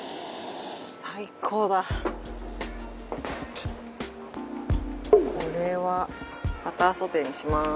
和田：これはバターソテーにします。